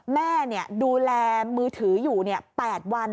แม่ดูแลมือถืออยู่๘วัน